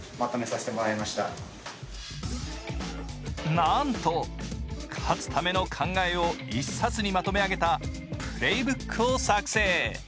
なんと勝つための考えを一冊にまとめ上げたＰｌａｙｂｏｏｋを作成。